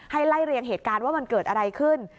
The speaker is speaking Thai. ไล่เรียงเหตุการณ์ว่ามันเกิดอะไรขึ้น